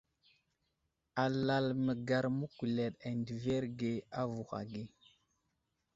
Alal məgar məkuleɗ adəverge avuhw age.